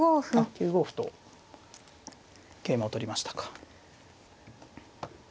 ９五歩と桂馬を取りましたか。